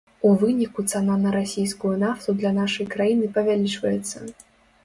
У выніку цана на расійскую нафту для нашай краіны павялічваецца.